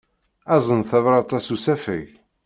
Azen tabṛat-a s usafag.